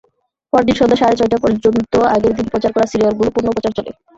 পরদিন সন্ধ্যা সাড়ে ছয়টা পর্যন্ত আগের দিন প্রচার করা সিরিয়ালগুলোর পুনঃপ্রচার চলে।